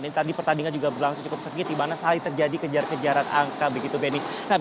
dan ini tadi pertandingan juga berlangsung cukup sengit dimana saling terjadi kejar kejaran angka begitu benny